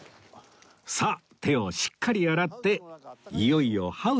さあ手をしっかり洗っていよいよハウスの中へ